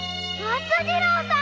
松次郎さん！